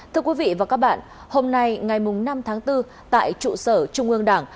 thưa quý vị và các bạn hôm nay ngày năm tháng bốn tại trụ sở trung ương đảng